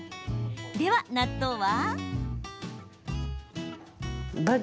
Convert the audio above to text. では納豆は？